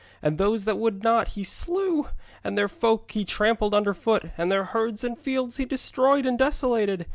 And those that would not he slew, and their folk he trampled underfoot, and their herds and fields he destroyed and desolated.